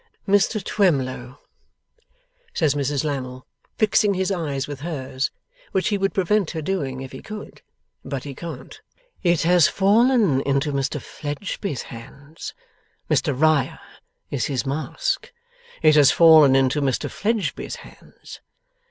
'Mr Twemlow,' says Mrs Lammle, fixing his eyes with hers: which he would prevent her doing if he could, but he can't; 'it has fallen into Mr Fledgeby's hands. Mr Riah is his mask. It has fallen into Mr Fledgeby's hands.